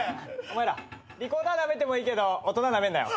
お前らリコーダーなめてもいいけど大人なめんなよ。